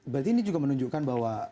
berarti ini juga menunjukkan bahwa